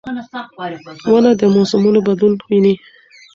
ونه د موسمونو بدلون ویني.